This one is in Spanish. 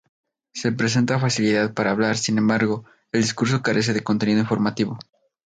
Se presenta facilidad para hablar, sin embargo, el discurso carece de contenido informativo.